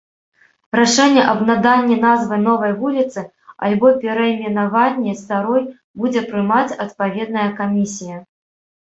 Рашэнне аб наданні назвы новай вуліцы альбо перайменаванні старой будзе прымаць адпаведная камісія.